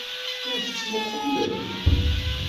La d-tettmuqqulem.